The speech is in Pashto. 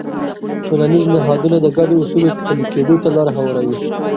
ټولنیز نهادونه د ګډو اصولو پلي کېدو ته لاره هواروي.